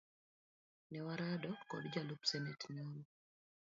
Ne warado kod jalup senate nyoro